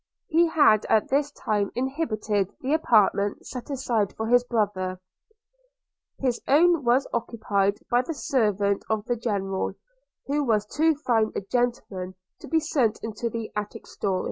He had at this time inhabited the apartment set aside for his brother; his own was occupied by the servant of the General, who was too fine a gentleman to be sent into the attic story.